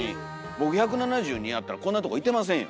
僕１７２あったらこんなとこいてませんよ。